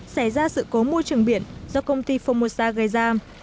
xé ra sự cố môi trường biển do công ty phomosa gây ra